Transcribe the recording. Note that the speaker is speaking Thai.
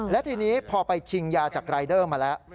และทีนี้พอไปชิงยาจากรายเดอร์มาแล้ว